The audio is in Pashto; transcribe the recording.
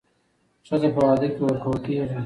ښځه په واده کې ورکول کېږي